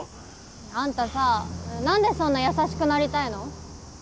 アンタさぁなんでそんな優しくなりたいの？